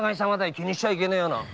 気にしちゃいけねえ。